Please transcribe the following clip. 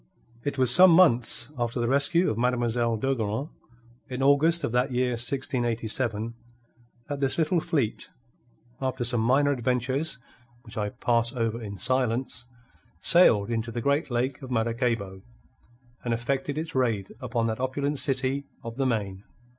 It was some months after the rescue of Mademoiselle d'Ogeron in August of that year 1687 that this little fleet, after some minor adventures which I pass over in silence, sailed into the great lake of Maracaybo and effected its raid upon that opulent city of the Main.